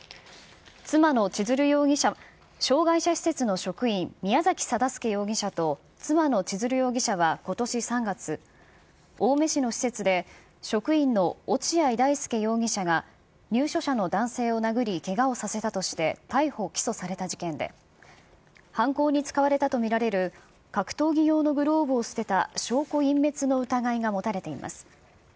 障害者施設の職員、宮崎定助容疑者と妻の千鶴容疑者はことし３月、青梅市の施設で、職員の落合大丞容疑者が、入所者の男性を殴り、けがをさせたとして、逮捕・起訴された事件で、犯行に使われたと見られる格闘技用のグローブを捨てた証拠隠滅の疑いが持たれています。